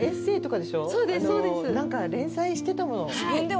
何か連載してたものあっ